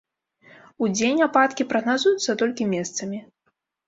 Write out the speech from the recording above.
Удзень ападкі прагназуюцца толькі месцамі.